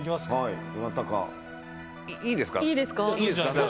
いいですか？